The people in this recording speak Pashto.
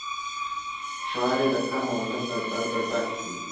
اشعار یې د قام او وطن له درده ډک وي.